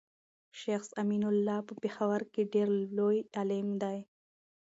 شيخ امين الله په پيښور کي ډير لوي عالم دی